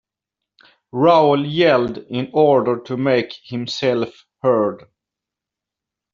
Raoul yelled, in order to make himself heard.